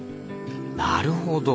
なるほど。